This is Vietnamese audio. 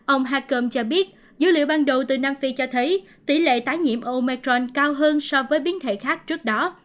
ông hacom cho biết dữ liệu ban đầu từ nam phi cho thấy tỷ lệ tái nhiễm omicron cao hơn so với biến thể khác trước đó